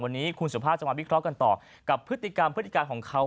วันนี้คุณสุภาพจะมาวิเคราะห์กันต่อกับพฤติกรรมพฤติการของเขา